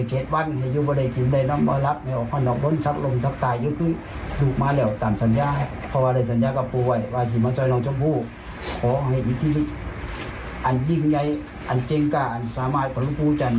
ขอให้วิธีอันยิ่งใยอันเจ็งกะอันสามายปรุกูจัน